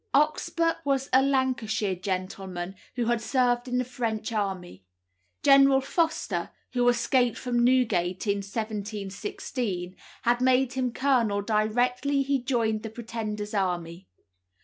Oxburgh was a Lancashire gentleman, who had served in the French army. General Foster (who escaped from Newgate, in 1716) had made him colonel directly he joined the Pretender's army.